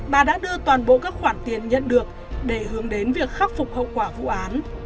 bà đã đưa toàn bộ các khoản tiền nhận được để hướng đến việc khắc phục hậu quả vụ án